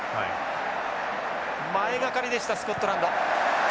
前がかりでしたスコットランド。